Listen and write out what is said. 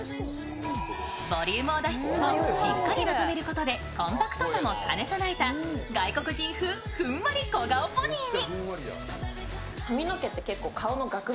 ボリュームを出しつつもしっかりまとめることでコンパクトさも兼ね備えた外国人風ふんわり小顔ポニーに。